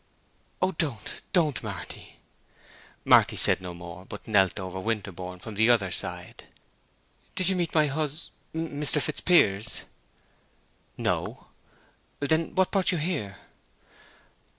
"Oh don't, don't, Marty!" Marty said no more, but knelt over Winterborne from the other side. "Did you meet my hus—Mr. Fitzpiers?" "No!" "Then what brought you here?"